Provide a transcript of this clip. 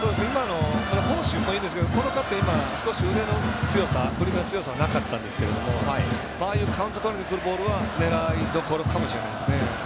フォーシームもいいんですけど少し腕の振りの強さがなかったんですけどああいうカウントとりにくるボールは狙いどころかもしれないですね。